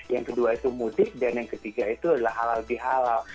yang kedua itu mudik dan yang ketiga itu adalah halal bihalal